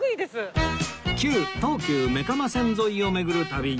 旧東急目蒲線沿いを巡る旅